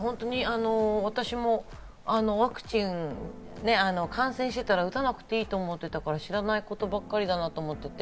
私も感染してたら打たなくてもいいとか思ってたとか、知らないことばかりだなと思って。